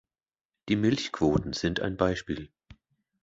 Die Milchquoten sind ein Beispiel.